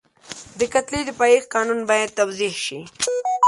د کتلې د پایښت قانون باید توضیح شي.